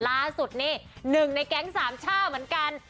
ล่าสุดนี่๑ในแก๊ง๓ช่าเหมือนกัน